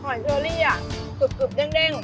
หอยเชอรี่สุดเด็ง